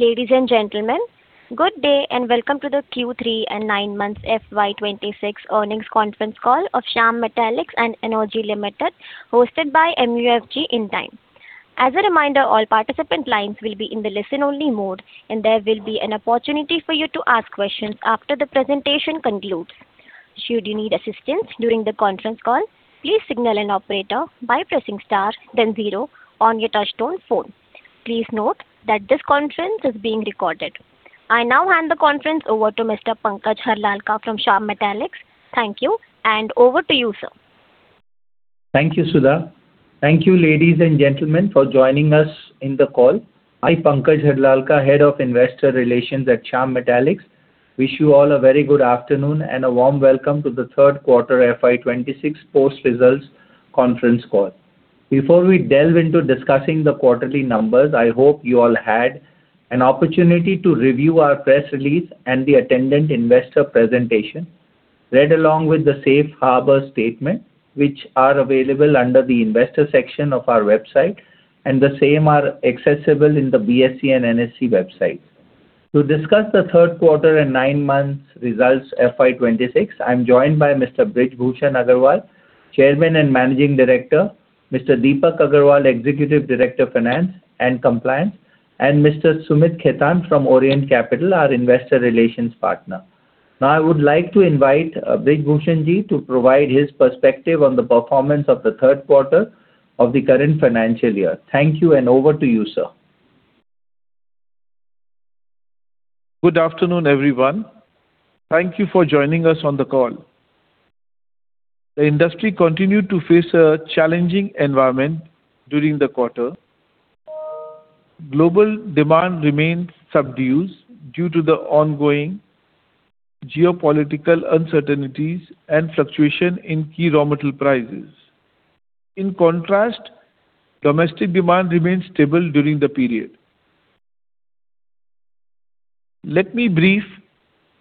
Ladies and gentlemen, good day, and welcome to the Q3 and 9 months FY26 earnings conference call of Shyam Metalics and Energy Limited, hosted by MUFG Intime. As a reminder, all participant lines will be in the listen-only mode, and there will be an opportunity for you to ask questions after the presentation concludes. Should you need assistance during the conference call, please signal an operator by pressing star then zero on your touchtone phone. Please note that this conference is being recorded. I now hand the conference over to Mr. Pankaj Harlalka from Shyam Metalics. Thank you, and over to you, sir. Thank you, Sudha. Thank you, ladies and gentlemen, for joining us in the call. I, Pankaj Harlalka, Head of Investor Relations at Shyam Metalics, wish you all a very good afternoon and a warm welcome to the third quarter FY26 post-results conference call. Before we delve into discussing the quarterly numbers, I hope you all had an opportunity to review our press release and the attendant investor presentation. Read along with the Safe Harbor statement, which are available under the investor section of our website, and the same are accessible in the BSE and NSE website. To discuss the third quarter and nine months results FY26, I'm joined by Mr. Brij Bhushan Agarwal, Chairman and Managing Director, Mr. Deepak Agarwal, Executive Director of Finance and Compliance, and Mr. Sumit Khaitan from Orient Capital, our investor relations partner. Now, I would like to invite Brij Bhushan-ji to provide his perspective on the performance of the third quarter of the current financial year. Thank you, and over to you, sir. Good afternoon, everyone. Thank you for joining us on the call. The industry continued to face a challenging environment during the quarter. Global demand remained subdued due to the ongoing geopolitical uncertainties and fluctuations in key raw material prices. In contrast, domestic demand remained stable during the period. Let me briefly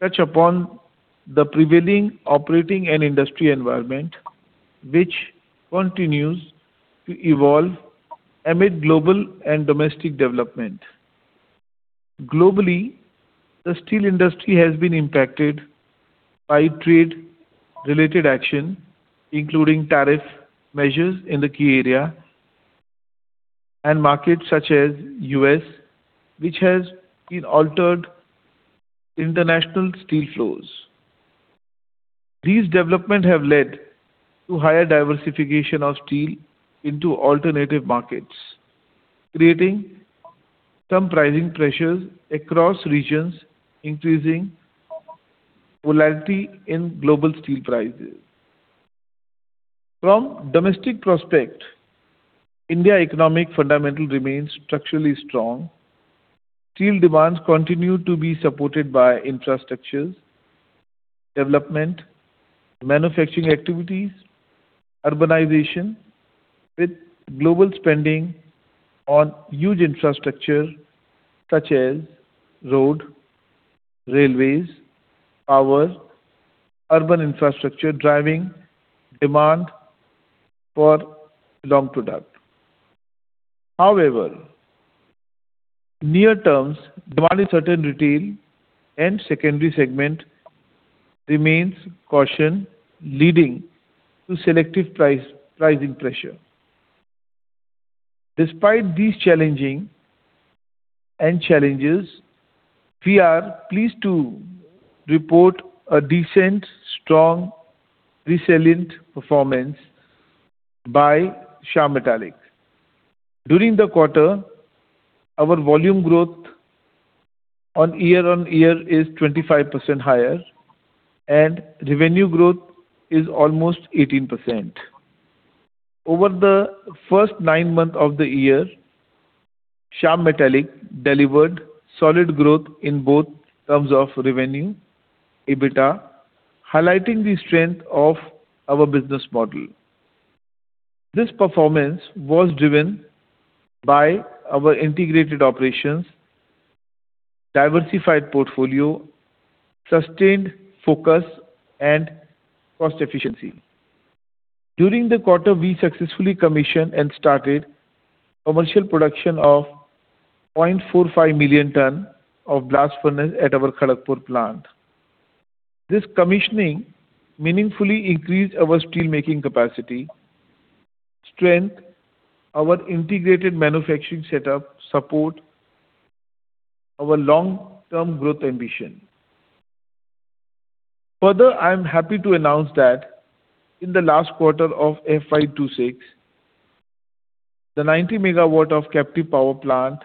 touch upon the prevailing operating and industry environment, which continues to evolve amid global and domestic developments. Globally, the steel industry has been impacted by trade-related actions, including tariff measures in key areas and markets such as the U.S., which has altered international steel flows. These developments have led to higher diversion of steel into alternative markets, creating some pricing pressures across regions, increasing volatility in global steel prices. From the domestic perspective, India's economic fundamentals remain structurally strong. Steel demand continues to be supported by infrastructure development, manufacturing activities, urbanization, with global spending on huge infrastructure such as roads, railways, power, urban infrastructure, driving demand for long products. However, near-term, demand uncertainty and secondary segment remains cautious, leading to selective pricing pressure. Despite these challenges, we are pleased to report a decent, strong, resilient performance by Shyam Metalics. During the quarter, our volume growth on year-on-year is 25% higher, and revenue growth is almost 18%. Over the first 9 months of the year, Shyam Metalics delivered solid growth in both terms of revenue, EBITDA, highlighting the strength of our business model. This performance was driven by our integrated operations, diversified portfolio, sustained focus and cost efficiency. During the quarter, we successfully commissioned and started commercial production of 0.45 million ton of blast furnace at our Kharagpur plant. This commissioning meaningfully increased our steelmaking capacity, strengthens our integrated manufacturing setup, supports our long-term growth ambition. Further, I am happy to announce that in the last quarter of FY26, the 90 MW captive power plant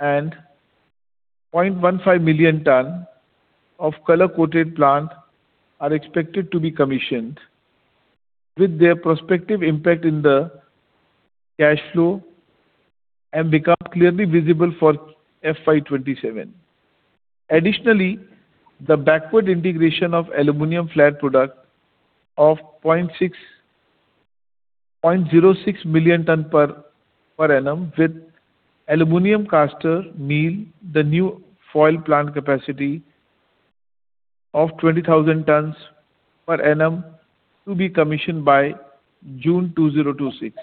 and 0.15 million ton color-coated plant are expected to be commissioned, with their prospective impact in the cash flow and become clearly visible for FY27. Additionally, the backward integration of aluminum flat product of 0.6, 0.06 million ton per annum with aluminum caster mill, the new foil plant capacity of 20,000 tons per annum, to be commissioned by June 2026.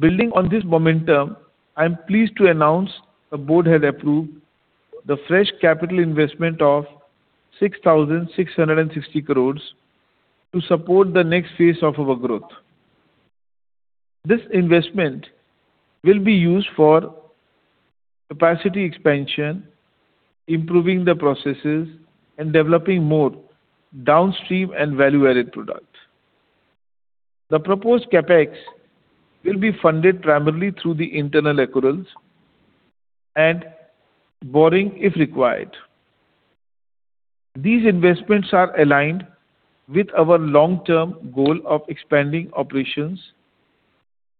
Building on this momentum, I'm pleased to announce the board has approved the fresh capital investment of 6,660 crores to support the next phase of our growth. This investment will be used for capacity expansion, improving the processes, and developing more downstream and value-added products. The proposed CapEx will be funded primarily through the internal accruals and borrowing, if required. These investments are aligned with our long-term goal of expanding operations,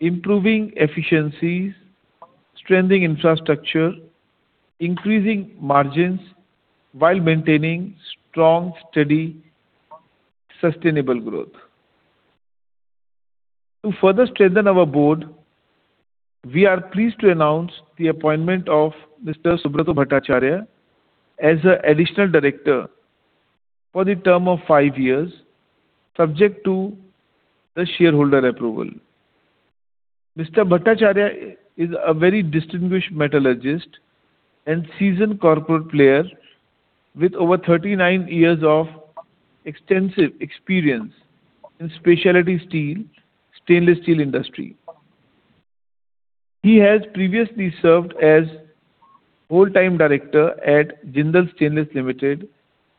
improving efficiencies, strengthening infrastructure, increasing margins, while maintaining strong, steady, sustainable growth. To further strengthen our board, we are pleased to announce the appointment of Mr. Subrata Bhattacharya as an additional director for the term of five years, subject to the shareholder approval. Mr. Bhattacharya is a very distinguished metallurgist and seasoned corporate player, with over 39 years of extensive experience in specialty steel, stainless steel industry. He has previously served as full-time director at Jindal Stainless Limited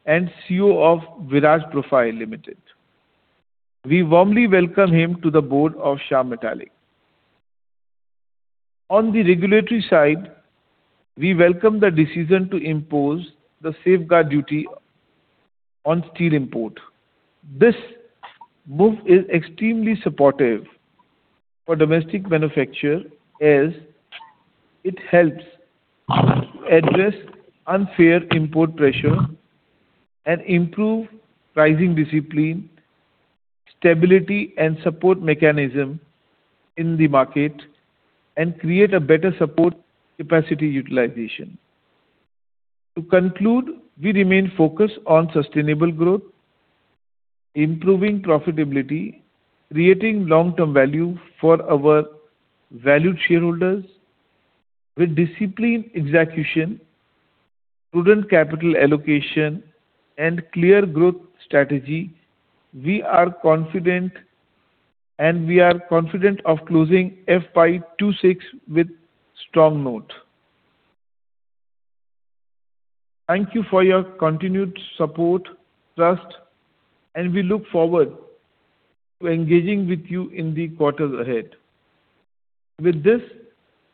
and CEO of Viraj Profiles Limited. We warmly welcome him to the board of Shyam Metalics. On the regulatory side, we welcome the decision to impose the safeguard duty on steel import. This move is extremely supportive for domestic manufacturer, as it helps address unfair import pressure and improve pricing discipline, stability, and support mechanism in the market, and create a better support capacity utilization. To conclude, we remain focused on sustainable growth, improving profitability, creating long-term value for our valued shareholders. With disciplined execution, prudent capital allocation, and clear growth strategy, we are confident- and we are confident of closing FY26 with strong note. Thank you for your continued support, trust, and we look forward to engaging with you in the quarters ahead. With this,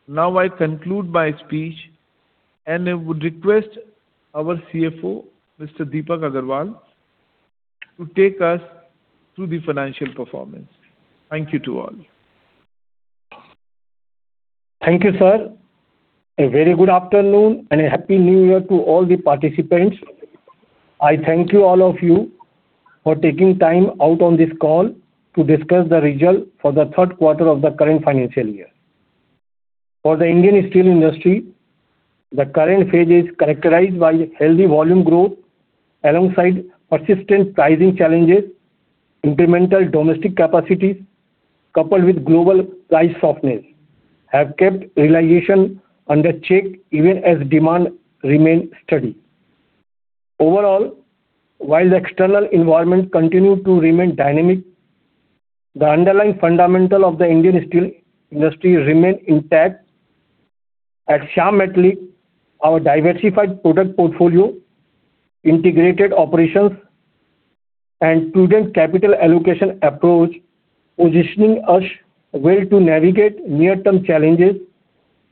now I conclude my speech, and I would request our CFO, Mr. Deepak Agarwal, to take us through the financial performance. Thank you to all. Thank you, sir. A very good afternoon, and a Happy New Year to all the participants. I thank you, all of you, for taking time out on this call to discuss the result for the third quarter of the current financial year. For the Indian steel industry, the current phase is characterized by healthy volume growth alongside persistent pricing challenges, incremental domestic capacity, coupled with global price softness, have kept realization under check even as demand remains steady. Overall, while the external environment continue to remain dynamic, the underlying fundamental of the Indian steel industry remain intact. At Shyam Metalics, our diversified product portfolio, integrated operations, and prudent capital allocation approach, positioning us well to navigate near-term challenges,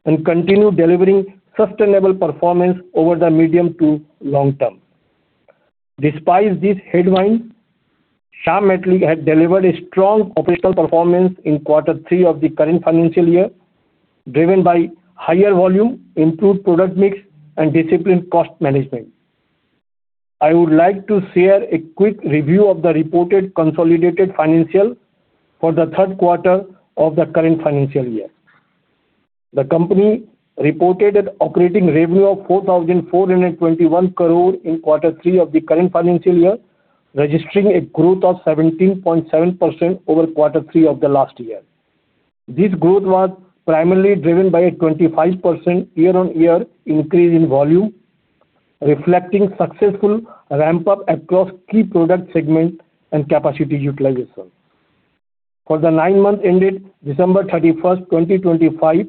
and continue delivering sustainable performance over the medium to long term. Despite this headwind, Shyam Metalics has delivered a strong operational performance in quarter three of the current financial year, driven by higher volume, improved product mix, and disciplined cost management. I would like to share a quick review of the reported consolidated financials for the third quarter of the current financial year. The company reported an operating revenue of 4,421 crore in quarter three of the current financial year, registering a growth of 17.7% over quarter three of the last year. This growth was primarily driven by a 25% year-on-year increase in volume, reflecting successful ramp-up across key product segments and capacity utilization. For the nine months ended December 31, 2025,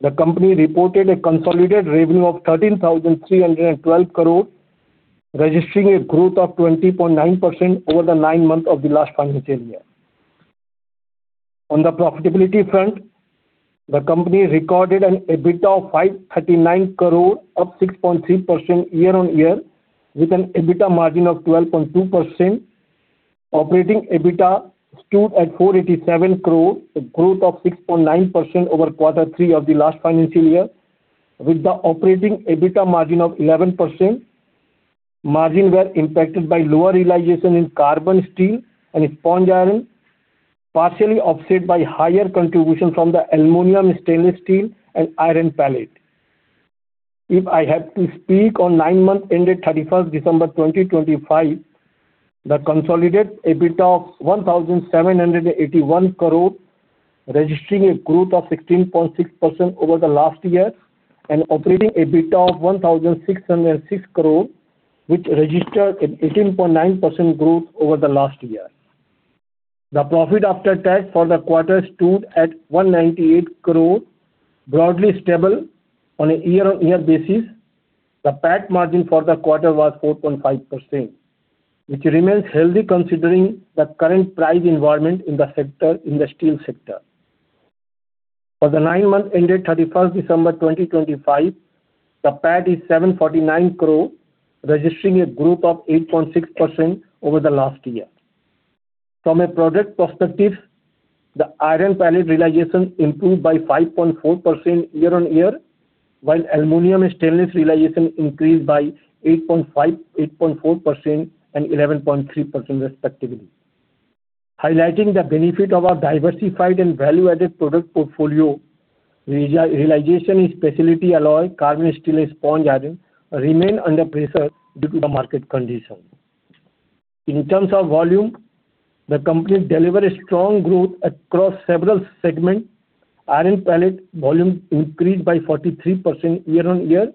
the company reported a consolidated revenue of 13,312 crore, registering a growth of 20.9% over the nine months of the last financial year. On the profitability front, the company recorded an EBITDA of 539 crore, up 6.3% year-on-year, with an EBITDA margin of 12.2%. Operating EBITDA stood at 487 crore, a growth of 6.9% over quarter three of the last financial year, with the operating EBITDA margin of 11%. Margins were impacted by lower realization in carbon steel and in sponge iron, partially offset by higher contribution from the aluminum, stainless steel and iron pellet. If I have to speak on nine months ended December 31st 2025, that consolidated EBITDA of 1,781 crore, registering a growth of 16.6% over the last year, and operating EBITDA of 1,606 crore, which registered an 18.9% growth over the last year. The profit after tax for the quarter stood at 198 crore, broadly stable on a year-on-year basis. The PAT margin for the quarter was 4.5%, which remains healthy considering the current price environment in the sector, in the steel sector. For the nine months ended December 31st 2025, the PAT is 749 crore, registering a growth of 8.6% over the last year. From a product perspective, the iron pellet realization improved by 5.4% year-on-year, while aluminum and stainless realization increased by 8.5%, 8.4% and 11.3% respectively. Highlighting the benefit of our diversified and value-added product portfolio, realization in specialty alloy, carbon steel and sponge iron remain under pressure due to the market conditions. In terms of volume, the company delivered a strong growth across several segments. Iron pellet volume increased by 43% year-on-year.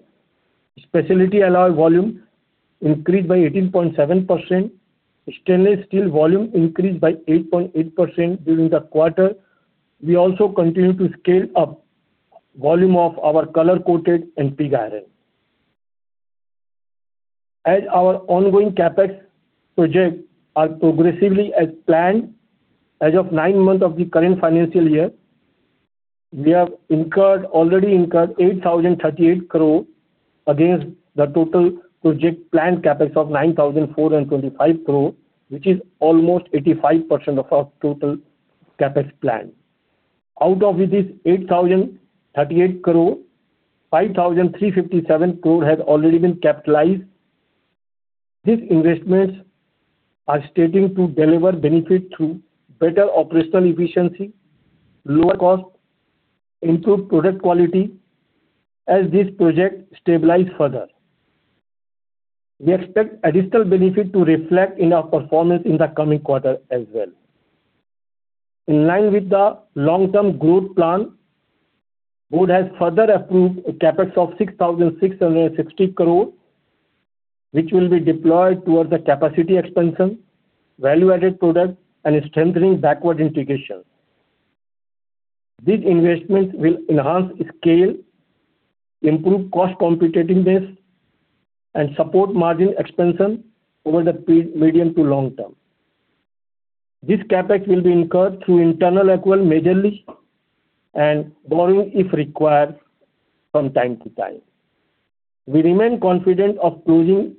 Specialty alloy volume increased by 18.7%. Stainless steel volume increased by 8.8% during the quarter. We also continue to scale up volume of our color coated and pig iron. As our ongoing CapEx projects are progressively as planned, as of nine months of the current financial year, we have incurred, already incurred 8,038 crore against the total project planned CapEx of 9,425 crore, which is almost 85% of our total CapEx plan. Out of which is 8,038 crore, 5,357 crore has already been capitalized. These investments are starting to deliver benefit through better operational efficiency, lower cost, improved product quality, as this project stabilize further. We expect additional benefit to reflect in our performance in the coming quarter as well. In line with the long-term growth plan, Board has further approved a CapEx of 6,660 crore, which will be deployed towards the capacity expansion, value-added product and strengthening backward integration. These investments will enhance scale, improve cost competitive base, and support margin expansion over the medium to long term. This CapEx will be incurred through internal equity majorly and borrowing if required from time to time. We remain confident of closing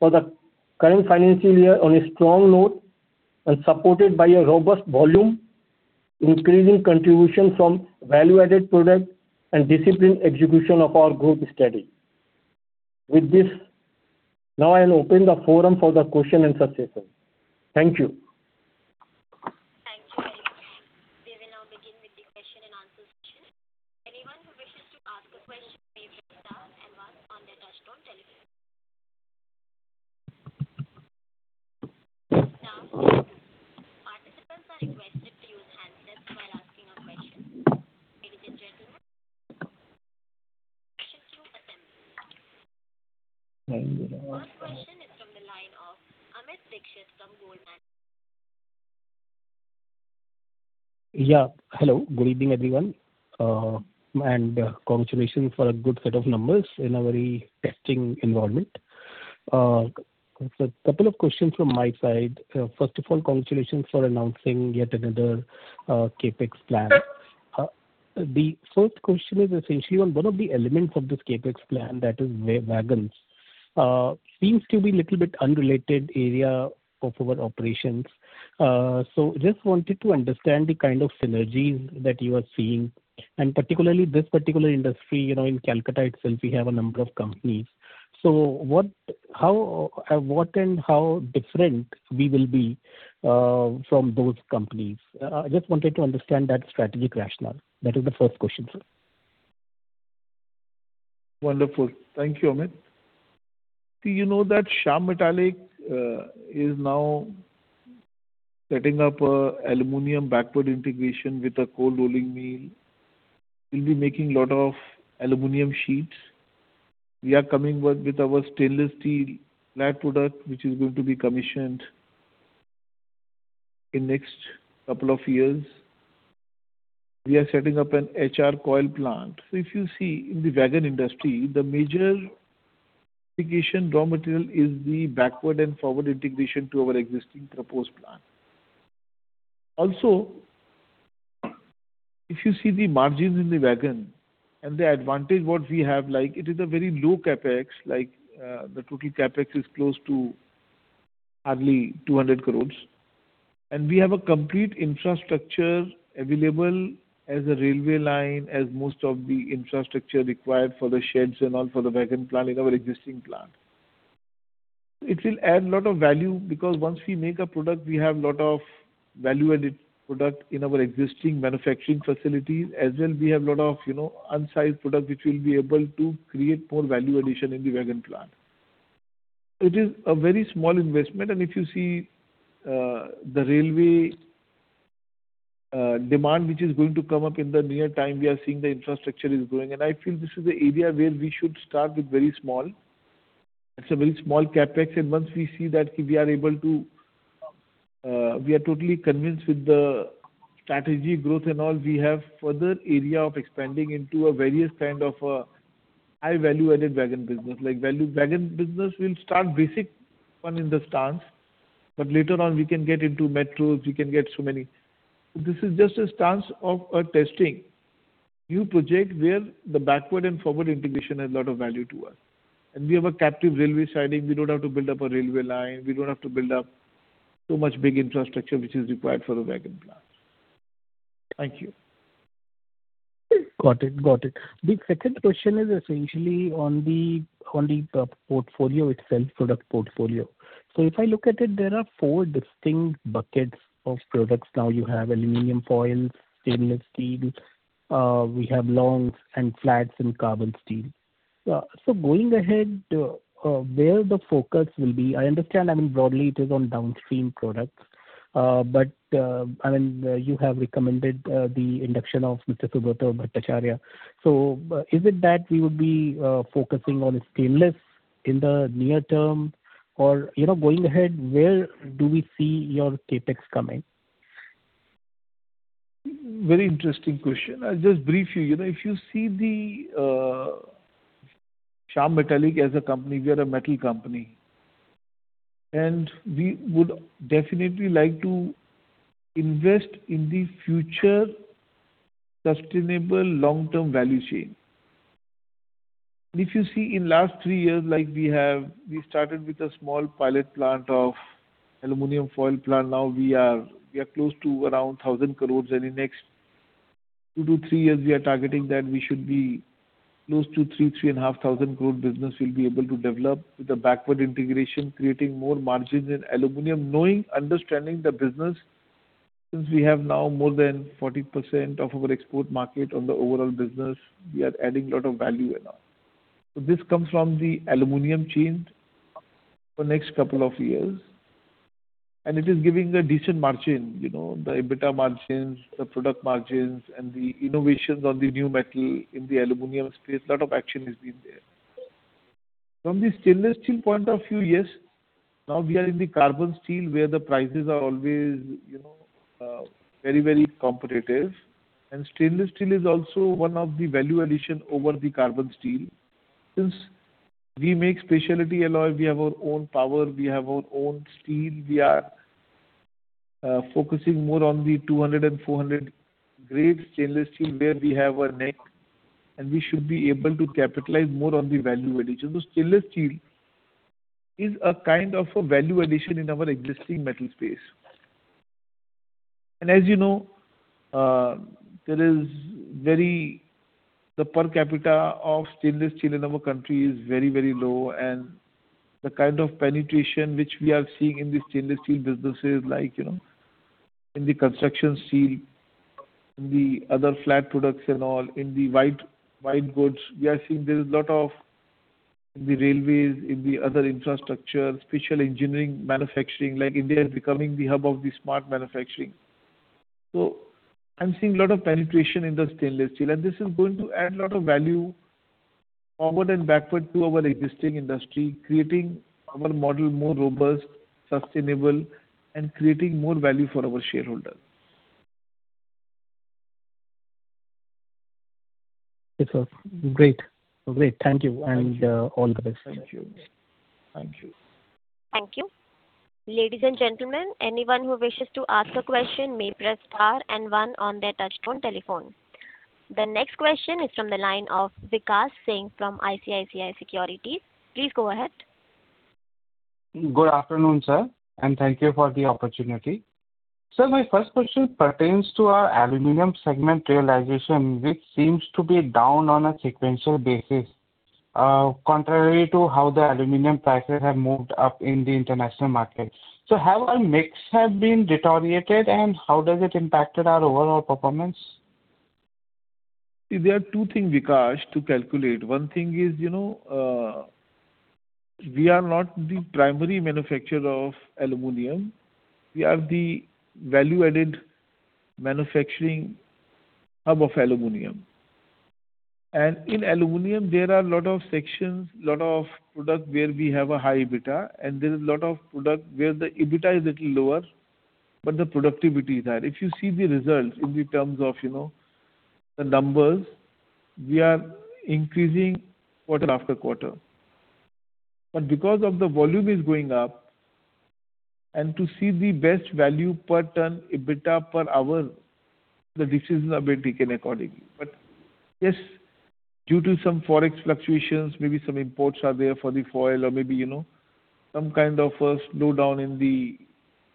for the current financial year on a strong note and supported by a robust volume, increasing contribution from value-added products, and disciplined execution of our growth strategy. With this, now I'll open the forum for the question and answer session. Thank you. Thank you very much. We will now begin with the question and answer session. Anyone who wishes to ask a question may please press star one on their touch-tone telephone. Now, participants are requested to use handsets while asking a question. First question is from the line of Amit Dixit from Goldman. Yeah. Hello, good evening, everyone, and congratulations for a good set of numbers in a very testing environment. A couple of questions from my side. First of all, congratulations for announcing yet another CapEx plan. The first question is essentially on one of the elements of this CapEx plan, that is wagons. Seems to be a little bit unrelated area of our operations. So just wanted to understand the kind of synergies that you are seeing, and particularly, this particular industry, you know, in Kolkata itself, we have a number of companies. So what and how different we will be from those companies? I just wanted to understand that strategic rationale. That is the first question, sir. Wonderful. Thank you, Amit. Do you know that Shyam Metalics is now setting up an aluminum backward integration with a cold rolling mill? We'll be making a lot of aluminum sheets. We are coming with, with our stainless steel flat product, which is going to be commissioned in next couple of years. We are setting up an HR coil plant. So if you see in the wagon industry, the major application raw material is the backward and forward integration to our existing proposed plant. Also, if you see the margins in the wagon and the advantage, what we have, like, it is a very low CapEx, like, the total CapEx is close to hardly 200 crore. And we have a complete infrastructure available as a railway line, as most of the infrastructure required for the sheds and all for the wagon plant in our existing plant. It will add a lot of value, because once we make a product, we have a lot of value-added product in our existing manufacturing facilities, as well we have a lot of, you know, unsized product, which will be able to create more value addition in the wagon plant. It is a very small investment, and if you see, the railway, demand, which is going to come up in the near time, we are seeing the infrastructure is growing. And I feel this is the area where we should start with very small. It's a very small CapEx, and once we see that we are able to, we are totally convinced with the strategy, growth, and all, we have further area of expanding into a various kind of, high value-added wagon business. Like value wagon business, we'll start basic one in the sense, but later on we can get into metros, we can get so many. This is just a sense of a testing new project, where the backward and forward integration adds a lot of value to us. And we have a captive railway siding. We don't have to build up a railway line. We don't have to build up so much big infrastructure, which is required for the wagon plant. Thank you. Got it. Got it. The second question is essentially on the portfolio itself, product portfolio. So if I look at it, there are four distinct buckets of products. Now, you have aluminum foils, stainless steel, we have longs and flats in carbon steel. So going ahead, where the focus will be? I understand, I mean, broadly it is on downstream products. But, I mean, you have recommended the induction of Mr. Subrata Bhattacharya. So is it that we would be focusing on stainless in the near term? Or, you know, going ahead, where do we see your CapEx coming? Very interesting question. I'll just brief you. You know, if you see the Shyam Metalics as a company, we are a metal company, and we would definitely like to invest in the future sustainable long-term value chain. If you see in last three years, like we have, we started with a small pilot plant of aluminum foil plant. Now we are, we are close to around 1,000 crore, and in next two to three years, we are targeting that we should be close to 3,000 crore-3,500 crore business we'll be able to develop with the backward integration, creating more margins in aluminum. Knowing, understanding the business, since we have now more than 40% of our export market on the overall business, we are adding a lot of value in our. So this comes from the aluminum chain for next couple of years, and it is giving a decent margin, you know, the EBITDA margins, the product margins, and the innovations on the new metal in the aluminum space. A lot of action has been there. From the stainless steel point of view, yes, now we are in the carbon steel, where the prices are always, you know, very, very competitive. And stainless steel is also one of the value addition over the carbon steel. Since we make specialty alloy, we have our own power, we have our own steel. We are focusing more on the 200 and 400 grade stainless steel, where we have our niche, and we should be able to capitalize more on the value addition. So stainless steel is a kind of a value addition in our existing metal space. As you know, the per capita of stainless steel in our country is very, very low, and the kind of penetration which we are seeing in the stainless steel businesses, like, you know, in the construction steel, in the other flat products and all, in the white, white goods, we are seeing there is a lot of in the railways, in the other infrastructure, special engineering, manufacturing, like India is becoming the hub of the smart manufacturing. So I'm seeing a lot of penetration in the stainless steel, and this is going to add a lot of value forward and backward to our existing industry, creating our model more robust, sustainable, and creating more value for our shareholders. Yes, sir. Great. Great, thank you. Thank you. All the best. Thank you. Thank you. Ladies and gentlemen, anyone who wishes to ask a question may press star and One on their touchtone telephone. The next question is from the line of Vikash Singh from ICICI Securities. Please go ahead. Good afternoon, sir, and thank you for the opportunity. Sir, my first question pertains to our aluminum segment realization, which seems to be down on a sequential basis, contrary to how the aluminum prices have moved up in the international market. So have our mix have been deteriorated, and how does it impacted our overall performance? There are two things, Vikash, to calculate. One thing is, you know, we are not the primary manufacturer of aluminum. We are the value-added manufacturing hub of aluminum. And in aluminum, there are a lot of sections, lot of products where we have a high EBITDA, and there is a lot of product where the EBITDA is little lower, but the productivity is high. If you see the results in terms of, you know, the numbers, we are increasing quarter after quarter. But because of the volume is going up and to see the best value per ton, EBITDA per hour, the decisions are being taken accordingly. But yes, due to some Forex fluctuations, maybe some imports are there for the foil or maybe, you know, some kind of a slowdown in the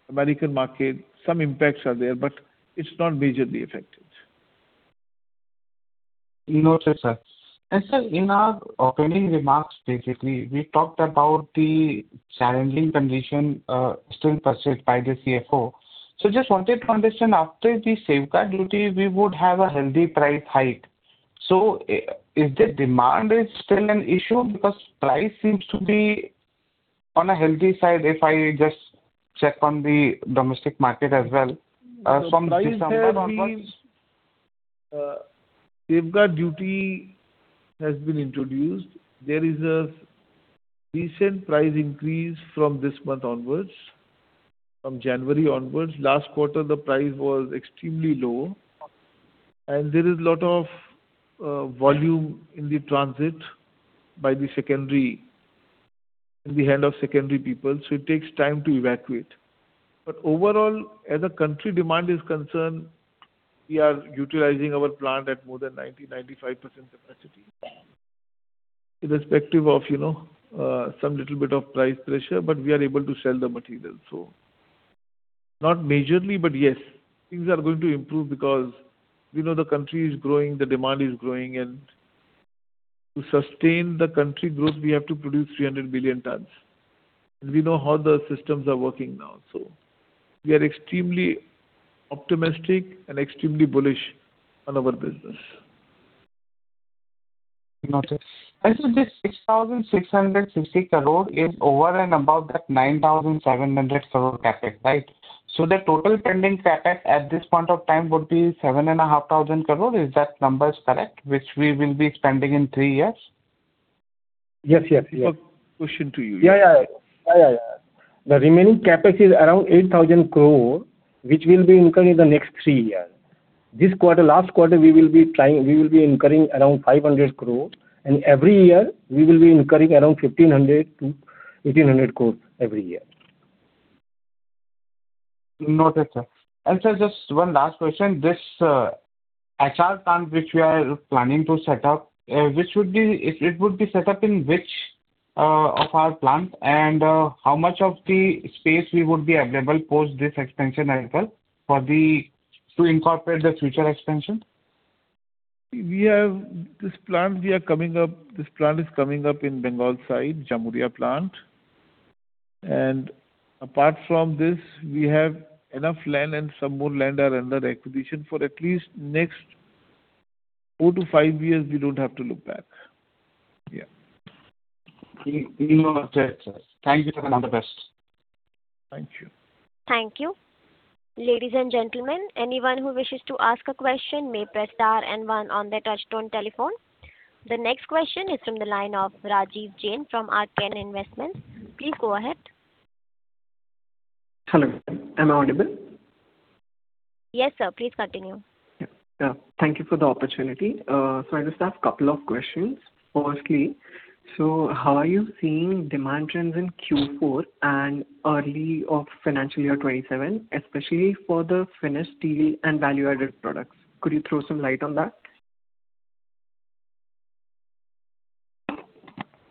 American market, some impacts are there, but it's not majorly affected. Noted, sir. Sir, in our opening remarks, basically, we talked about the challenging condition still pursued by the CFO. Just wanted to understand, after the safeguard duty, we would have a healthy price hike. So I, is the demand is still an issue? Because price seems to be on a healthy side if I just check on the domestic market as well, from December onwards. Safeguard Duty has been introduced. There is a recent price increase from this month onwards, from January onwards. Last quarter, the price was extremely low, and there is a lot of volume in the transit by the secondary, in the hand of secondary people, so it takes time to evacuate. But overall, as a country demand is concerned, we are utilizing our plant at more than 90-95% capacity. Irrespective of, you know, some little bit of price pressure, but we are able to sell the material. So not majorly, but yes, things are going to improve because we know the country is growing, the demand is growing, and to sustain the country growth, we have to produce 300 billion tons. And we know how the systems are working now, so we are extremely optimistic and extremely bullish on our business. Noted. And so this 6,660 crore is over and above that 9,700 crore CapEx, right? So the total pending CapEx at this point of time would be 7,500 crore. Is that numbers correct, which we will be spending in three years? Yes, yes, yes. Question to you. Yeah, yeah. Yeah, yeah, yeah. The remaining CapEx is around 8,000 crore, which will be incurred in the next 3 years. This quarter, last quarter, we will be trying - we will be incurring around 500 crore, and every year we will be incurring around 1,500 crore-1,800 crore every year. Noted, sir. Sir, just one last question. This HR plant, which we are planning to set up, which would be set up in which of our plant? How much of the space we would be available post this expansion as well for the to incorporate the future expansion? We have this plant, we are coming up, this plant is coming up in Bengal side, Jamuria plant. And apart from this, we have enough land and some more land are under acquisition for at least next 4-5 years, we don't have to look back. Yeah. Noted, sir. Thank you, and all the best. Thank you. Thank you. Ladies and gentlemen, anyone who wishes to ask a question may press star and one on their touchtone telephone. The next question is from the line of Rajiv Jain from RK Investment. Please go ahead. Hello, am I audible? Yes, sir. Please continue. Yeah. Thank you for the opportunity. So I just have a couple of questions. Firstly, so how are you seeing demand trends in Q4 and early of financial year 2027, especially for the finished steel and value-added products? Could you throw some light on that?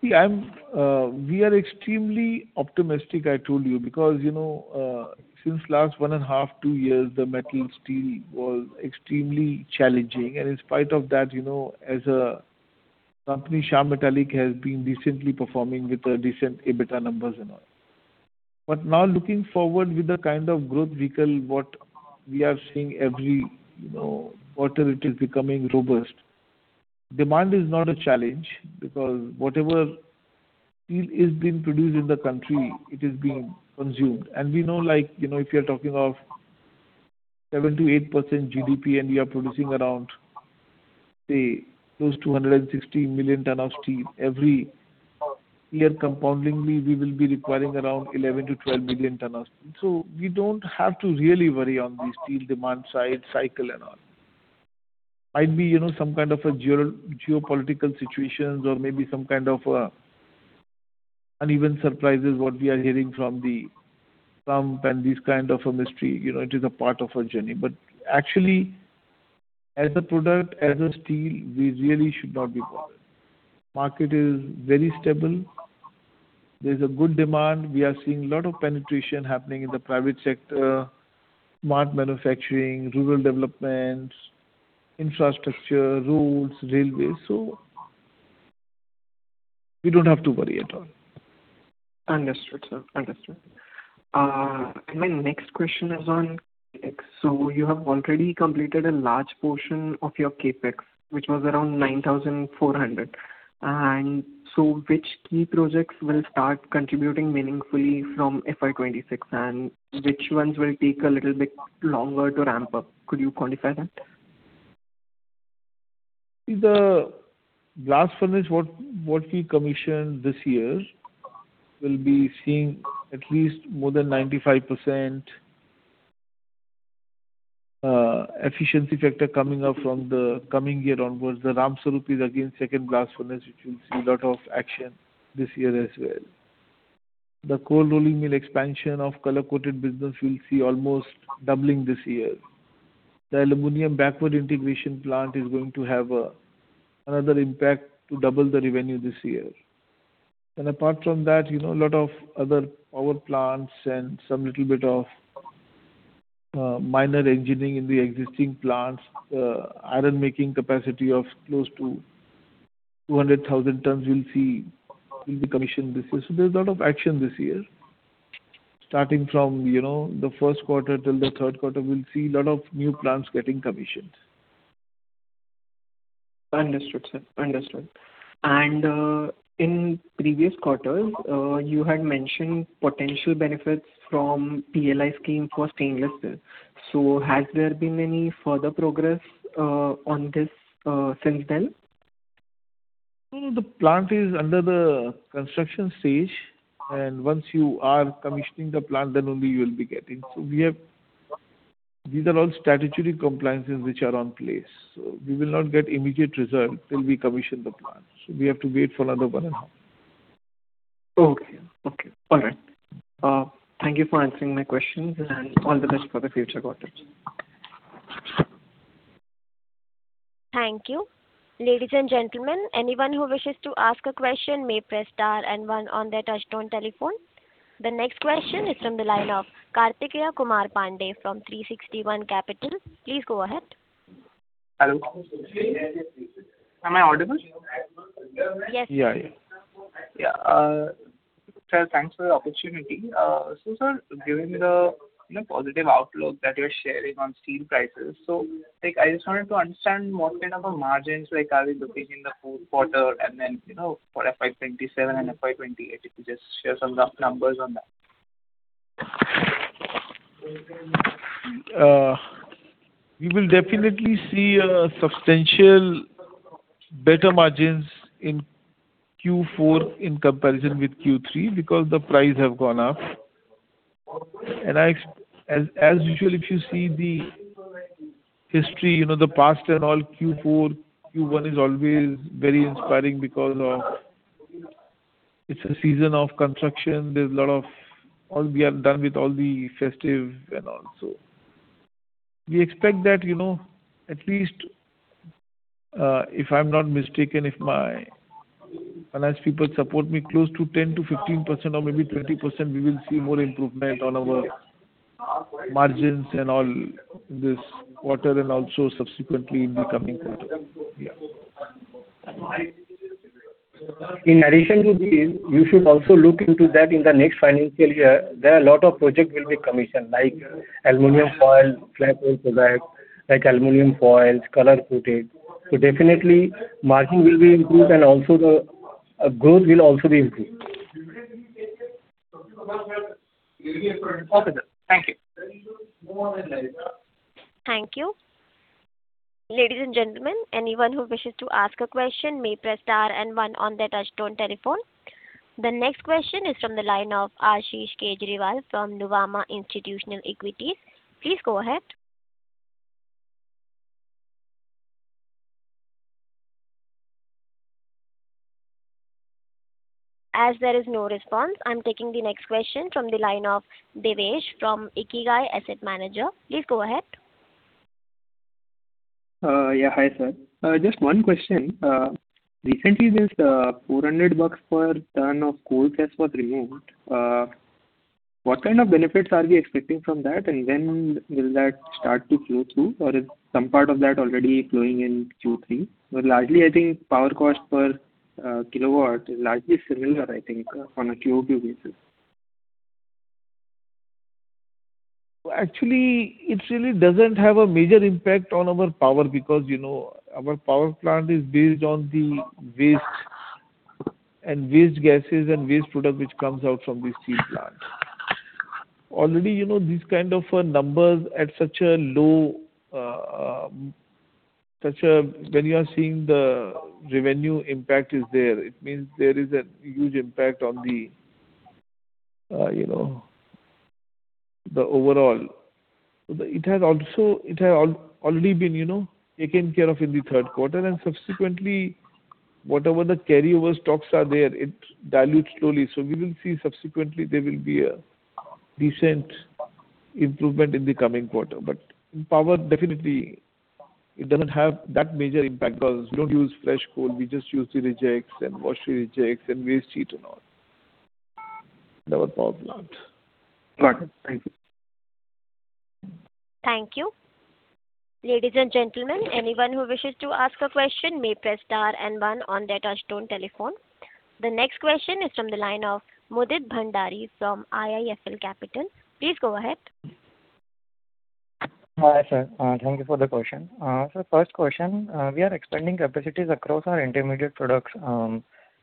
Yeah, I'm, we are extremely optimistic, I told you, because, you know, since last one and a half, two years, the metal steel was extremely challenging. And in spite of that, you know, as a company, Shyam Metalics has been decently performing with the decent EBITDA numbers and all. But now, looking forward with the kind of growth we call what we are seeing every, you know, quarter, it is becoming robust. Demand is not a challenge, because whatever steel is being produced in the country, it is being consumed. And we know, like, you know, if you're talking of 7%-8% GDP and we are producing around, say, close to 160 million tons of steel, every year compoundingly, we will be requiring around 11-12 million tons. So we don't have to really worry on the steel demand side cycle and all. Might be, you know, some kind of a geopolitical situations or maybe some kind of, uneven surprises, what we are hearing from the Trump and this kind of a mystery, you know, it is a part of our journey. But actually, as a product, as a steel, we really should not be worried. Market is very stable. There's a good demand. We are seeing a lot of penetration happening in the private sector, smart manufacturing, rural development, infrastructure, roads, railways. So we don't have to worry at all. Understood, sir. Understood. And my next question is on CapEx. So you have already completed a large portion of your CapEx, which was around 9,400 crore. And so which key projects will start contributing meaningfully from FY26, and which ones will take a little bit longer to ramp up? Could you quantify that? The blast furnace what we commissioned this year will be seeing at least more than 95% efficiency factor coming up from the coming year onwards. The Ramsarup is again second blast furnace which you'll see a lot of action this year as well. The cold rolling mill expansion of color-coated business you'll see almost doubling this year. The aluminum backward integration plant is going to have another impact to double the revenue this year. And apart from that you know a lot of other power plants and some little bit of minor engineering in the existing plants iron making capacity of close to 200,000 tons you'll see will be commissioned this year. So there's a lot of action this year starting from you know the first quarter till the third quarter we'll see a lot of new plants getting commissioned. Understood, sir. Understood. In previous quarters, you had mentioned potential benefits from PLI scheme for stainless steel. Has there been any further progress on this since then? No, the plant is under the construction stage, and once you are commissioning the plant, then only you will be getting. So we have—these are all statutory compliances which are in place, so we will not get immediate results till we commission the plant. So we have to wait for another 1.5. Okay. Okay, all right. Thank you for answering my questions, and all the best for the future quarters. Thank you. Ladies and gentlemen, anyone who wishes to ask a question may press star and one on their touchtone telephone. The next question is from the line of Kartikeya Kumar Pandey from 360 ONE Capital. Please go ahead. Hello? Am I audible? Yes. Yeah, yeah. Yeah, sir, thanks for the opportunity. So sir, given the positive outlook that you're sharing on steel prices, so, like, I just wanted to understand what kind of a margins, like, are we looking in the fourth quarter, and then, you know, for FY27 and FY28, if you just share some rough numbers on that. We will definitely see a substantial better margins in Q4 in comparison with Q3, because the price have gone up. And, as usual, if you see the history, you know, the past and all, Q4, Q1 is always very inspiring because of. It's a season of construction. There's a lot of all we are done with all the festive and all, so. We expect that, you know, at least, if I'm not mistaken, if my finance people support me, close to 10%-15% or maybe 20%, we will see more improvement on our margins and all this quarter and also subsequently in the coming quarter. Yeah. In addition to this, you should also look into that in the next financial year, there are a lot of projects will be commissioned, like aluminum foil, flat products, like aluminum foils, color coated. So definitely margin will be improved and also the, growth will also be improved. Okay, sir. Thank you. Thank you. Ladies and gentlemen, anyone who wishes to ask a question may press star and one on their touchtone telephone. The next question is from the line of Ashish Kejriwal from Nuvama Institutional Equities. Please go ahead. As there is no response, I'm taking the next question from the line of Devesh from Ikigai Asset Management. Please go ahead. Yeah. Hi, sir. Just one question. Recently this 400 bucks per ton of coal cess was removed. What kind of benefits are we expecting from that, and when will that start to flow through? Or is some part of that already flowing in Q3? But largely, I think power cost per kilowatt is largely similar, I think, on a QOQ basis. Actually, it really doesn't have a major impact on our power because, you know, our power plant is based on the waste and waste gases and waste product which comes out from the steel plant. Already, you know, these kind of numbers at such a low, when you are seeing the revenue impact is there, it means there is a huge impact on the, you know, the overall. It has also, it has already been, you know, taken care of in the third quarter, and subsequently, whatever the carryover stocks are there, it dilutes slowly. So we will see subsequently there will be a decent improvement in the coming quarter. But power, definitely, it doesn't have that major impact because we don't use fresh coal, we just use the rejects and wash rejects and waste heat and all. Our power plant. Got it. Thank you. Thank you. Ladies and gentlemen, anyone who wishes to ask a question may press star and one on their touchtone telephone. The next question is from the line of Mudit Bhandari from IIFL Capital. Please go ahead. Hi, sir. Thank you for the question. So first question, we are expanding capacities across our intermediate products,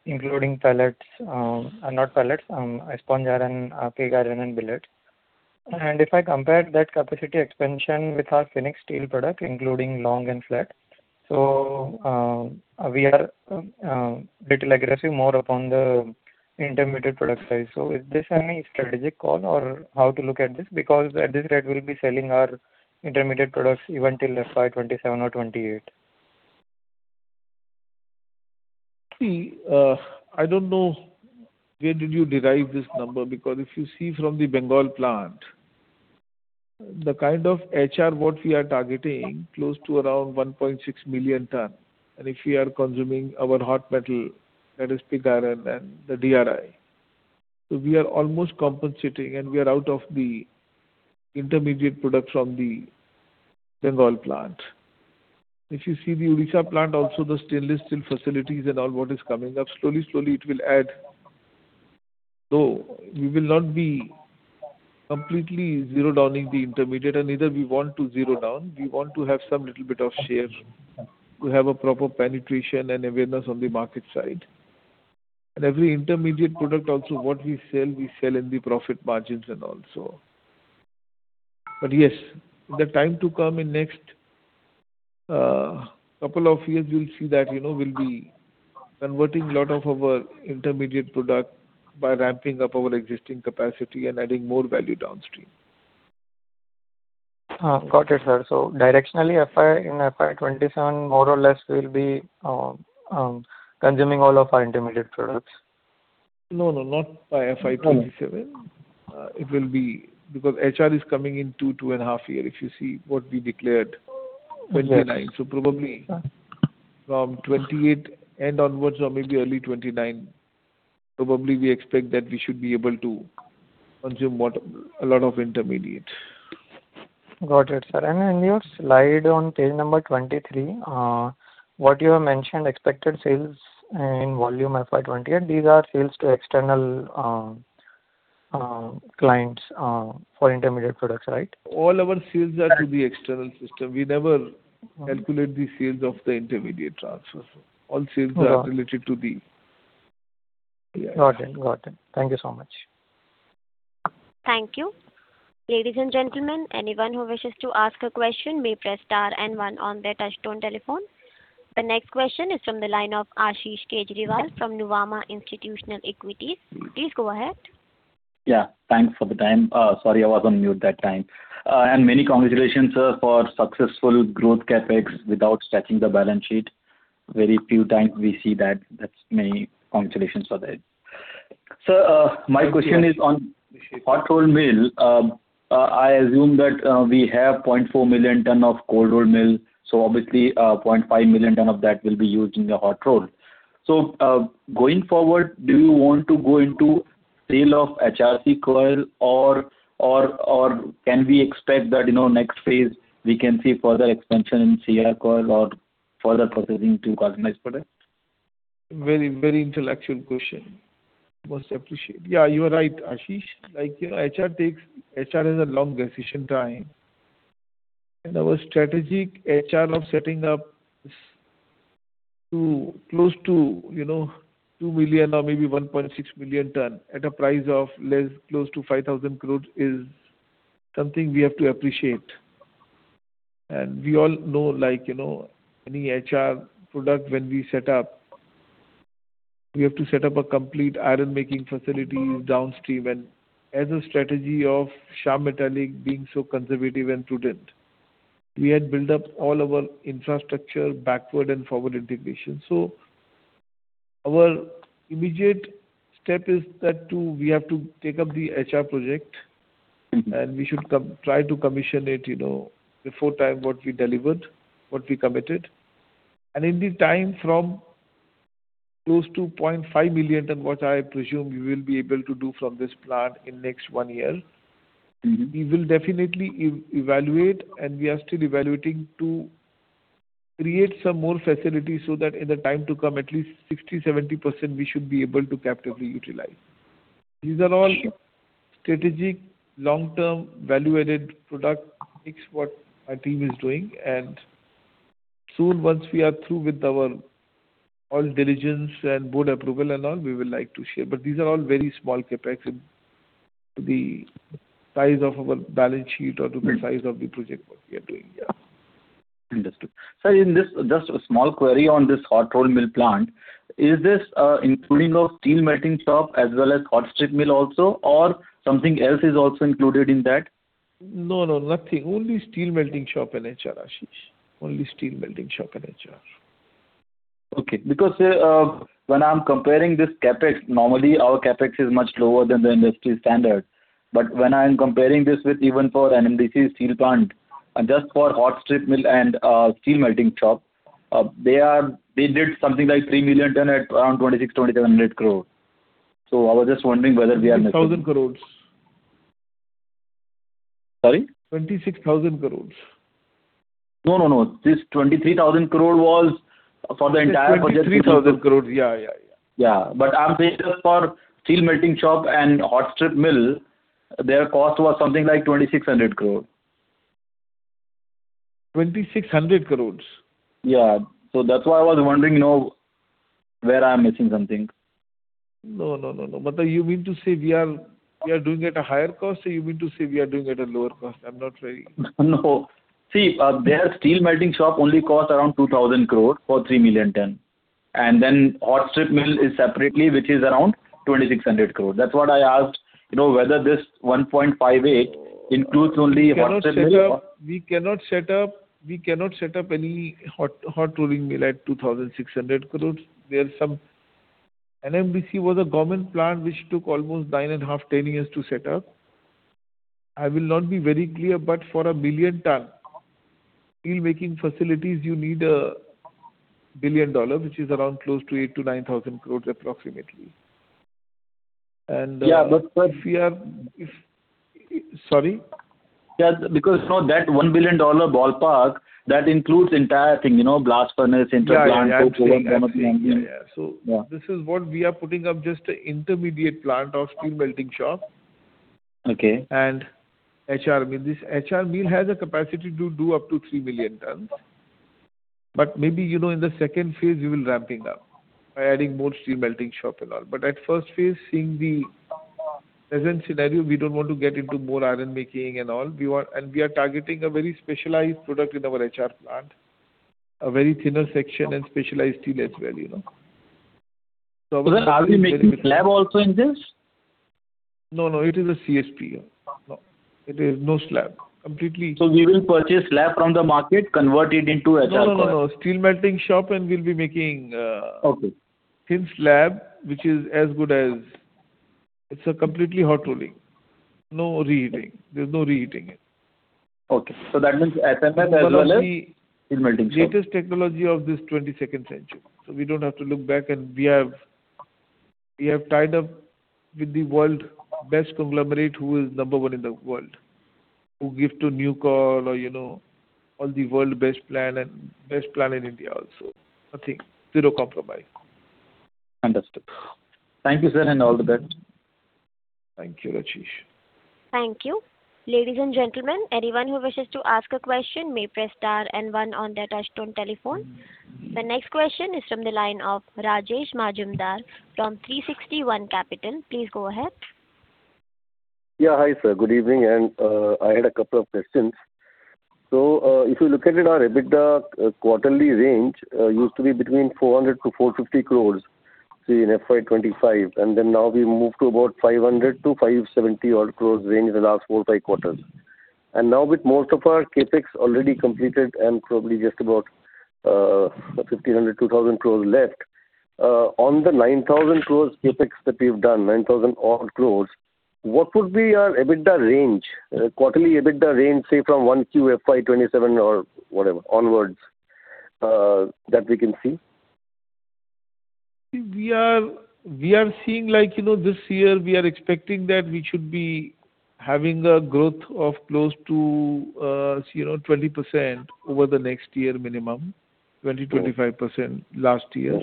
including pellets, not pellets, sponge iron, pig iron and billets. And if I compare that capacity expansion with our finished steel products, including long and flat, so, we are little aggressive, more upon the intermediate product side. So is this any strategic call or how to look at this? Because at this rate, we'll be selling our intermediate products even till FY27 or FY28. See, I don't know where did you derive this number, because if you see from the Bengal plant, the kind of HR what we are targeting, close to around 1.6 million ton. And if we are consuming our hot metal, that is pig iron and the DRI. So we are almost compensating, and we are out of the intermediate product from the Bengal plant. If you see the Odisha plant, also the stainless steel facilities and all what is coming up, slowly, slowly it will add. Though we will not be completely zero downing the intermediate, and neither we want to zero down. We want to have some little bit of share, to have a proper penetration and awareness on the market side. And every intermediate product also, what we sell, we sell in the profit margins and also. But yes, the time to come in next couple of years, you'll see that, you know, we'll be converting a lot of our intermediate product by ramping up our existing capacity and adding more value downstream. Got it, sir. So directionally, FY, in FY27, more or less, we'll be consuming all of our intermediate products? No, no, not by FY27. Okay. It will be because HR is coming in 2 to 2.5 years, if you see what we declared 29. Yes. So probably from 2028 and onwards or maybe early 2029, probably we expect that we should be able to consume what? A lot of intermediate. Got it, sir. And in your slide on page number 23, what you have mentioned, expected sales and volume FY28, these are sales to external clients for intermediate products, right? All our sales are to the external system. We never- Okay. Calculate the sales of the intermediate transfers. All right. All sales are related to the- Got it. Got it. Thank you so much. Thank you. Ladies and gentlemen, anyone who wishes to ask a question, may press star and one on their touchtone telephone. The next question is from the line of Ashish Kejriwal from Nuvama Institutional Equities. Please go ahead. Yeah, thanks for the time. Sorry, I was on mute that time. And many congratulations, sir, for successful growth CapEx without stretching the balance sheet. Very few times we see that. That's many congratulations for that. Sir, my question is on hot roll mill. I assume that we have 0.4 million ton of cold roll mill, so obviously, 0.5 million ton of that will be used in the hot roll. So, going forward, do you want to go into sale of HRC coil or, or, or can we expect that, you know, next phase we can see further expansion in CR coil or further processing to galvanized product? Very, very intellectual question. Most appreciate. Yeah, you are right, Ashish. Like, you know, HR takes, HR is a long decision time. And our strategic HR of setting up to close to, you know, 2 million or maybe 1.6 million ton, at a price of less, close to 5,000 crores, is something we have to appreciate. And we all know, like, you know, any HR product, when we set up, we have to set up a complete iron-making facility downstream. And as a strategy of Shyam Metalics being so conservative and prudent, we had built up all our infrastructure, backward and forward integration. So our immediate step is that to, we have to take up the HR project- Mm-hmm. -and we should try to commission it, you know, before time what we delivered, what we committed. In the time from close to 0.5 million, and what I presume we will be able to do from this plant in next 1 year- Mm-hmm. We will definitely evaluate, and we are still evaluating to create some more facilities, so that in the time to come, at least 60%-70%, we should be able to captively utilize. These are all strategic, long-term, value-added product, fix what our team is doing. And soon, once we are through with our all diligence and board approval and all, we will like to share. But these are all very small CapEx to the size of our balance sheet or to the size of the project what we are doing. Yeah. Understood. Sir, in this, just a small query on this hot roll mill plant. Is this including of Steel Melting Shop as well as hot strip mill also, or something else is also included in that? No, no, nothing. Only Steel Melting Shop and HR, Ashish. Only Steel Melting Shop and HR. Okay. Because, when I'm comparing this CapEx, normally, our CapEx is much lower than the industry standard, but when I'm comparing this with even for NMDC steel plant, and just for hot strip mill and, steel melting shop, they did something like 3 million ton at around 2,600 crore-2,700 crore. So I was just wondering whether we are missing- 26,000 crores Sorry? 26,000 crores. No, no, no. This 23,000 crore was for the entire project. 23,000 crore. Yeah, yeah, yeah. Yeah. But I'm saying just for steel melting shop and hot strip mill, their cost was something like 2,600 crore. 2,600 crore? Yeah. So that's why I was wondering, you know, where I'm missing something. No, no, no, no. But you mean to say we are, we are doing at a higher cost, or you mean to say we are doing at a lower cost? I'm not very. No. See, their steel melting shop only cost around 2,000 crore for 3 million tons. And then hot strip mill is separately, which is around 2,600 crore. That's what I asked, you know, whether this 1.58 includes only hot strip mill or- We cannot set up, we cannot set up, we cannot set up any hot, hot rolling mill at 2,600 crores. There are some, NMDC was a government plant which took almost 9.5-10 years to set up. I will not be very clear, but for a 1 million ton steelmaking facilities, you need $1 billion, which is around close to 8,000 crores-9,000 crores, approximately. Yeah, but- We are—if—Sorry? Yeah, because now that $1 billion ballpark, that includes the entire thing, you know, blast furnace, interplant- Yeah, yeah, I see. Yeah, yeah. Yeah. So this is what we are putting up, just an intermediate plant of Steel Melting Shop. Okay. HR mill. This HR mill has a capacity to do up to 3,000,000 tons. But maybe, you know, in the second phase, we will ramping up by adding more steel melting shop and all. But at first phase, seeing the present scenario, we don't want to get into more iron making and all. We want, and we are targeting a very specialized product in our HR plant, a very thinner section and specialized steel as well, you know? Are we making slab also in this? No, no, it is a CSP. No, it is no slab. Completely- We will purchase slab from the market, convert it into HR coil? No, no, no. Steel Melting Shop, and we'll be making, Okay. Thin slab, which is as good as. It's a completely hot rolling. No reheating. There's no reheating it. Okay. So that means SMS as well as in melting shop. Latest technology of this 22nd century. So we don't have to look back, and we have, we have tied up with the world best conglomerate, who is number 1 in the world, who give to Nucor or, you know, all the world best plant and best plant in India also. Nothing, zero compromise. Understood. Thank you, sir, and all the best. Thank you, Ashish. Thank you. Ladies and gentlemen, anyone who wishes to ask a question may press star and one on their touchtone telephone. The next question is from the line of Rajesh Majumdar from 360 One Capital. Please go ahead. Yeah. Hi, sir. Good evening, and, I had a couple of questions. So, if you look at it, our EBITDA, quarterly range, used to be between 400 crores-450 crores, say, in FY25, and then now we've moved to about 500 crores-570 crores range in the last 4-5 quarters. And now with most of our CapEx already completed and probably just about, fifteen hundred, two thousand crores left, on the 9,000 crores CapEx that we've done, 9,000 crores, what would be our EBITDA range, quarterly EBITDA range, say, from 1Q FY27 or whatever onwards, that we can see? We are, we are seeing like, you know, this year we are expecting that we should be having a growth of close to, you know, 20% over the next year, minimum, 20%-25% last year. Sure.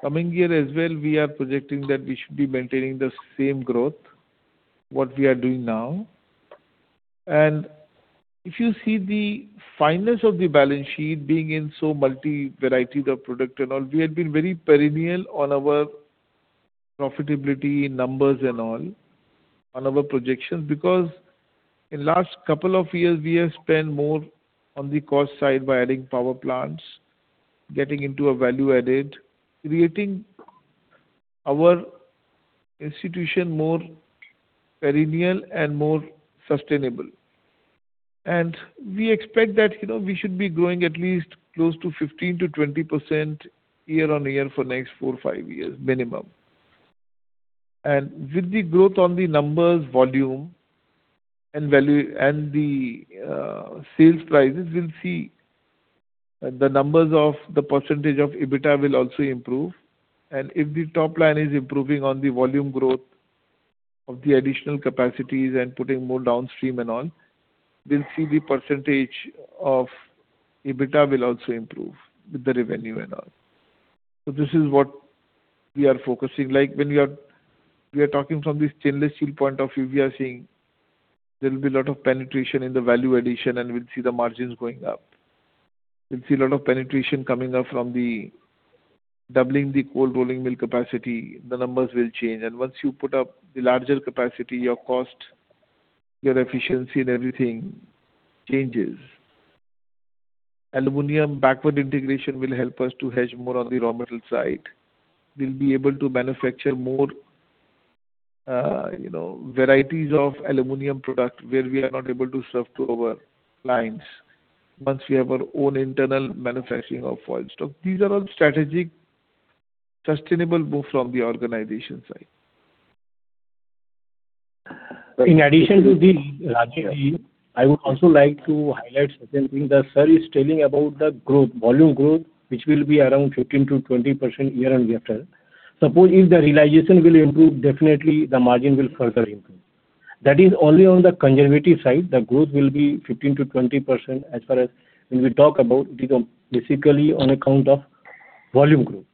Coming year as well, we are projecting that we should be maintaining the same growth, what we are doing now. And if you see the finance of the balance sheet being in so multi variety of product and all, we had been very perennial on our profitability numbers and all, on our projections, because in last couple of years, we have spent more on the cost side by adding power plants, getting into a value added, creating our institution more perennial and more sustainable. And we expect that, you know, we should be growing at least close to 15%-20% year-on-year for next 4-5 years, minimum. And with the growth on the numbers, volume, and value, and the sales prices, we'll see the numbers of the percentage of EBITDA will also improve. If the top line is improving on the volume growth of the additional capacities and putting more downstream and all, we'll see the percentage of EBITDA will also improve with the revenue and all. This is what we are focusing. Like when we are, we are talking from the stainless steel point of view, we are saying there will be a lot of penetration in the value addition, and we'll see the margins going up. We'll see a lot of penetration coming up from the doubling the cold rolling mill capacity, the numbers will change. Once you put up the larger capacity, your cost, your efficiency and everything changes. Aluminum backward integration will help us to hedge more on the raw material side. We'll be able to manufacture more, you know, varieties of aluminum product where we are not able to serve to our clients once we have our own internal manufacturing of foil stock. These are all strategic, sustainable move from the organization side. In addition to the Rajesh, I would also like to highlight certain thing, that sir is telling about the growth, volume growth, which will be around 15%-20% year-on-year after. Suppose if the realization will improve, definitely the margin will further improve. That is only on the conservative side, the growth will be 15%-20% as far as when we talk about, basically, on account of volume growth.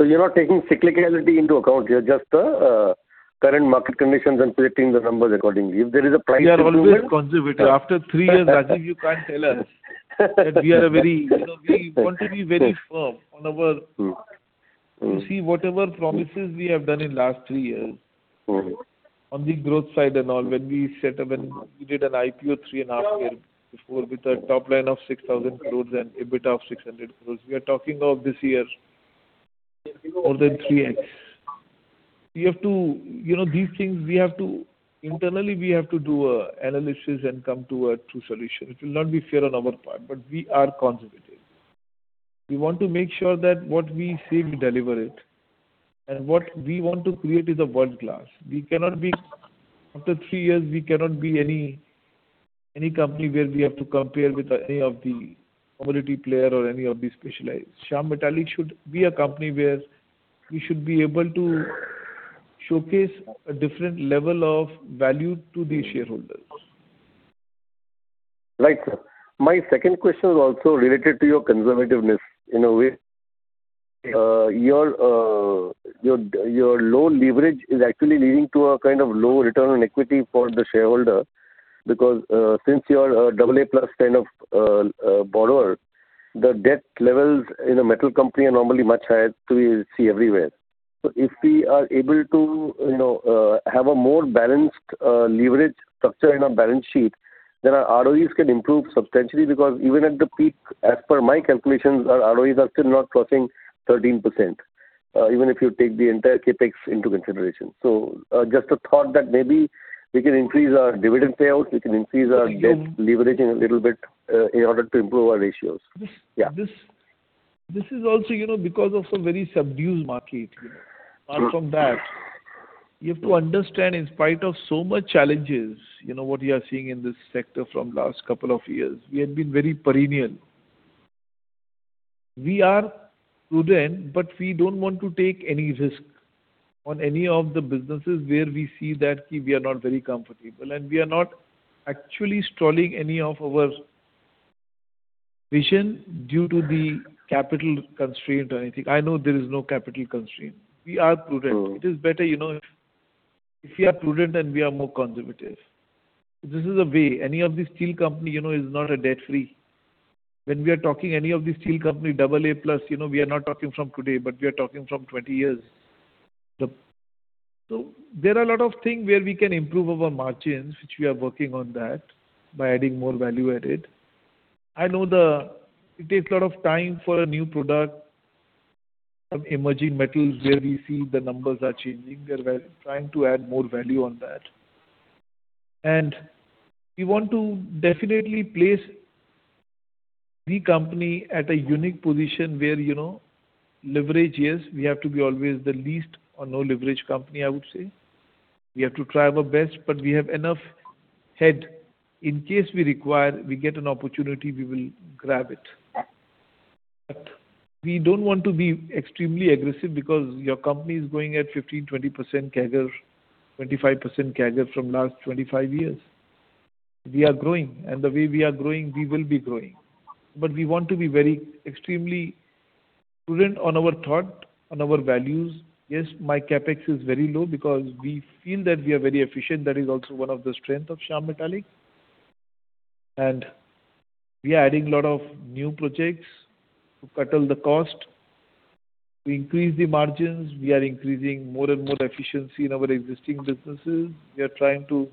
So you're not taking cyclicality into account here, just the current market conditions and predicting the numbers accordingly. If there is a price- We are always conservative. After three years, Rajesh, you can't tell us that we are a very, you know, we want to be very firm on our- Mm-hmm. You see, whatever promises we have done in last three years. Mm-hmm. On the growth side and all, when we set up and we did an IPO three and a half years before with a top line of 6,000 crores and EBITDA of 600 crores, we are talking of this year, more than 3x. We have to, you know, these things, we have to-- internally, we have to do an analysis and come to a true solution. It will not be fair on our part, but we are conservative. We want to make sure that what we say, we deliver it. And what we want to create is a world class. We cannot be-- after three years, we cannot be any, any company where we have to compare with any of the commodity player or any of the specialized. Shyam Metalics should be a company where we should be able to showcase a different level of value to the shareholders. Right. My second question is also related to your conservativeness in a way. Your low leverage is actually leading to a kind of low return on equity for the shareholder, because since you are a double A plus kind of borrower, the debt levels in a metal company are normally much higher, so we see everywhere. So if we are able to, you know, have a more balanced leverage structure in our balance sheet, then our ROEs can improve substantially, because even at the peak, as per my calculations, our ROEs are still not crossing 13%, even if you take the entire CapEx into consideration. So, just a thought that maybe we can increase our dividend payouts, we can increase our debt leveraging a little bit, in order to improve our ratios. Yeah. This is also, you know, because of some very subdued market, you know. Sure. Apart from that, you have to understand, in spite of so much challenges, you know, what we are seeing in this sector from last couple of years, we have been very perennial. We are prudent, but we don't want to take any risk on any of the businesses where we see that we are not very comfortable, and we are not actually stalling any of our vision due to the capital constraint or anything. I know there is no capital constraint. We are prudent. True. It is better, you know, if we are prudent, then we are more conservative. This is a way any of the steel company, you know, is not a debt free. When we are talking any of the steel company, double A plus, you know, we are not talking from today, but we are talking from 20 years. So there are a lot of things where we can improve our margins, which we are working on that, by adding more value added. I know the. It takes a lot of time for a new product, some emerging metals, where we see the numbers are changing. We are trying to add more value on that. And we want to definitely place the company at a unique position where, you know, leverage, yes, we have to be always the least or no leverage company, I would say. We have to try our best, but we have enough head. In case we require, we get an opportunity, we will grab it. But we don't want to be extremely aggressive because your company is growing at 15%, 20% CAGR, 25% CAGR from last 25 years. We are growing, and the way we are growing, we will be growing. But we want to be very extremely prudent on our thought, on our values. Yes, my CapEx is very low because we feel that we are very efficient. That is also one of the strength of Shyam Metalics. And we are adding a lot of new projects to cut down the cost. We increase the margins, we are increasing more and more efficiency in our existing businesses. We are trying to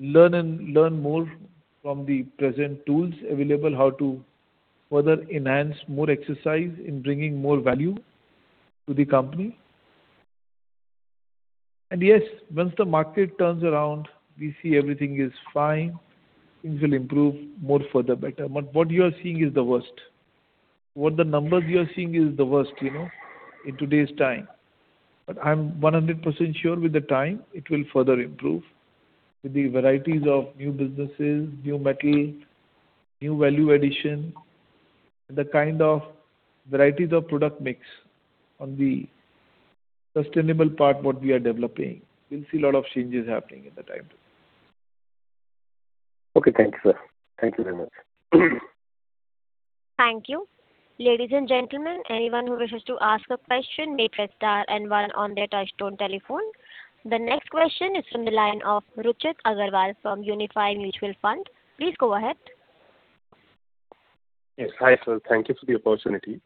learn and learn more from the present tools available, how to further enhance more exercise in bringing more value to the company. And yes, once the market turns around, we see everything is fine, things will improve more further better. But what you are seeing is the worst. What the numbers you are seeing is the worst, you know, in today's time. But I'm 100% sure with the time, it will further improve with the varieties of new businesses, new metal, new value addition, the kind of varieties of product mix on the sustainable part, what we are developing. We'll see a lot of changes happening in the time to come. Okay, thank you, sir. Thank you very much. Thank you. Ladies and gentlemen, anyone who wishes to ask a question may press star and one on their touchtone telephone. The next question is from the line of Ruchit Agarwal from Unifi Mutual Fund. Please go ahead. Yes. Hi, sir, thank you for the opportunity.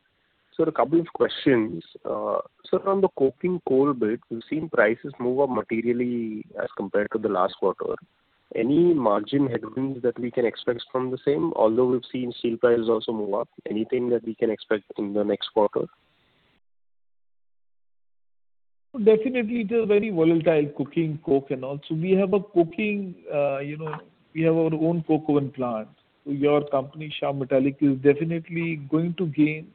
Sir, a couple of questions. Sir, on the coking coal bit, we've seen prices move up materially as compared to the last quarter. Any margin headwinds that we can expect from the same? Although we've seen steel prices also move up. Anything that we can expect in the next quarter? Definitely, it is very volatile, coking, coke and all. So we have a coking, you know, we have our own coke oven plant. So your company, Shyam Metalics, is definitely going to gain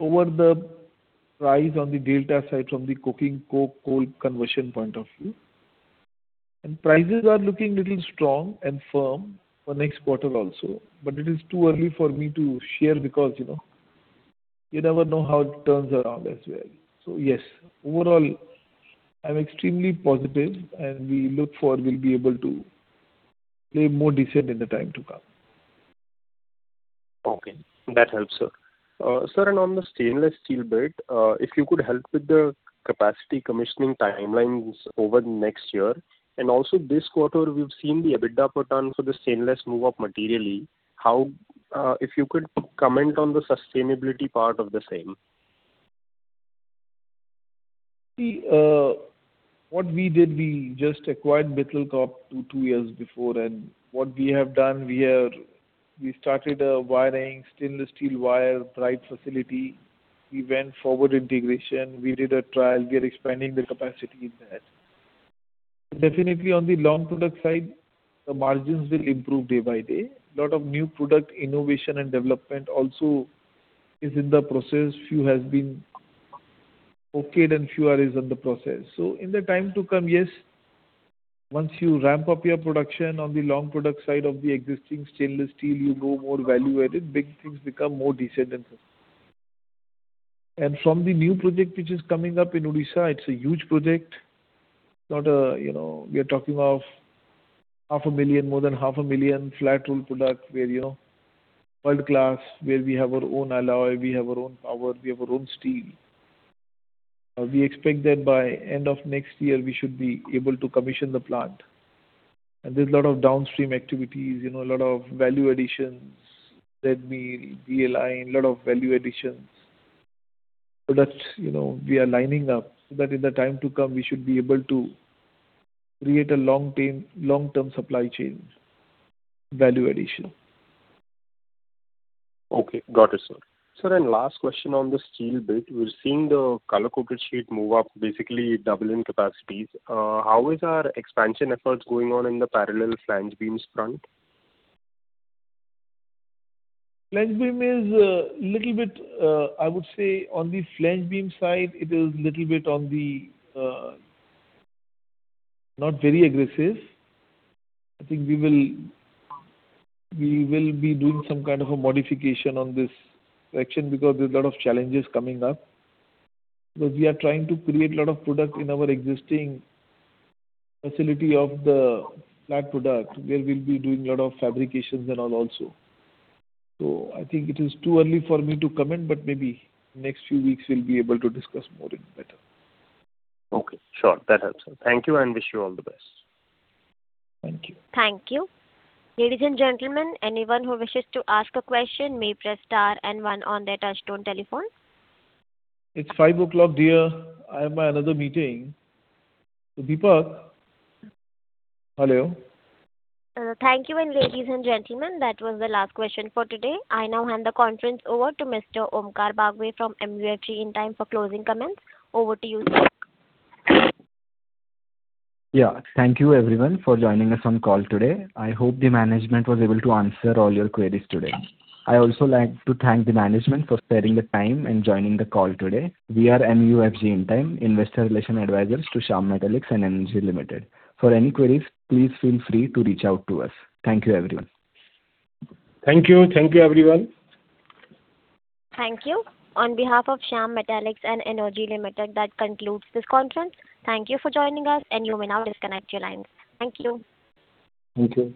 over the price on the delta side from the coking coke, coal conversion point of view. And prices are looking little strong and firm for next quarter also. But it is too early for me to share, because, you know, you never know how it turns around as well. So yes, overall, I'm extremely positive, and we look for we'll be able to play more decent in the time to come. Okay, that helps, sir. Sir, and on the stainless steel bit, if you could help with the capacity commissioning timelines over the next year. And also this quarter, we've seen the EBITDA per ton for the stainless move up materially. If you could comment on the sustainability part of the same. See, what we did, we just acquired Mittal Corp two years before, and what we have done, we have started a wiring, stainless steel wire bright facility. We went forward integration. We did a trial. We are expanding the capacity in that. Definitely on the long product side, the margins will improve day by day. Lot of new product innovation and development also is in the process. Few has been okayed and few are is in the process. So in the time to come, yes, once you ramp up your production on the long product side of the existing stainless steel, you go more value-added, big things become more decent than this. From the new project, which is coming up in Odisha, it's a huge project, not a, you know, we are talking of 500,000, more than 500,000 flat rolled product, where, you know, world-class, where we have our own alloy, we have our own power, we have our own steel. We expect that by end of next year, we should be able to commission the plant. And there's a lot of downstream activities, you know, a lot of value additions, that may be aligned, lot of value additions. So that, you know, we are lining up, so that in the time to come, we should be able to create a long-term supply chain value addition. Okay, got it, sir. Sir, and last question on the steel bit. We're seeing the color-coated sheet move up, basically double in capacities. How is our expansion efforts going on in the parallel flange beams front? Flange beam is little bit. I would say on the flange beam side, it is little bit on the not very aggressive. I think we will be doing some kind of a modification on this section because there's a lot of challenges coming up. Because we are trying to create a lot of product in our existing facility of the flat product, where we'll be doing a lot of fabrications and all also. So I think it is too early for me to comment, but maybe next few weeks we'll be able to discuss more in better. Okay, sure. That helps, sir. Thank you and wish you all the best. Thank you. Thank you. Ladies and gentlemen, anyone who wishes to ask a question may press star and one on their touchtone telephone. It's 5 o'clock, dear. I have my another meeting. Deepak? Hello. Thank you, and ladies and gentlemen, that was the last question for today. I now hand the conference over to Mr. Omkar Bagwe from MUFG Intime for closing comments. Over to you, sir. Yeah. Thank you everyone for joining us on call today. I hope the management was able to answer all your queries today. I also like to thank the management for sparing the time and joining the call today. We are MUFG Intime, investor relations advisors to Shyam Metalics and Energy Limited. For any queries, please feel free to reach out to us. Thank you, everyone. Thank you. Thank you, everyone. Thank you. On behalf of Shyam Metalics and Energy Limited, that concludes this conference. Thank you for joining us, and you may now disconnect your lines. Thank you. Thank you.